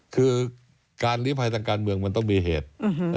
คือการลีภัยทางการเมืองมันต้องมีเหตุ